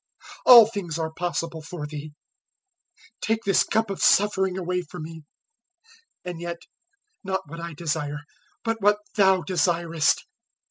all things are possible for Thee: take this cup of suffering away from me: and yet not what I desire, but what Thou desirest."